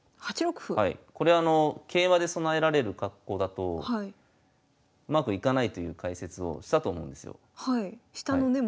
これあの桂馬で備えられる格好だとうまくいかないという解説をしたと思うんですよ。